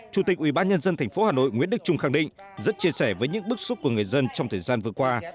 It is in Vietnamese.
chủ tịch ủy ban nhân dân thành phố hà nội nguyễn đức trung khẳng định rất chia sẻ với những bức xúc của người dân trong thời gian vừa qua